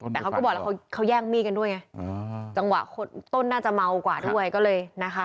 คือบอกเราเขาย่างมี่กันด้วยไงจังหวะคนต้นน่าจะเมากว่าก็เลยนะคะ